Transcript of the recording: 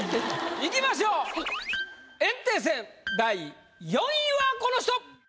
いきましょう炎帝戦第４位はこの人！